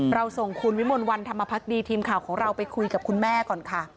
เราส่งคุณวิมลวันธรรมพักดีทีมข่าวของเราไปคุยกับคุณแม่ก่อนค่ะ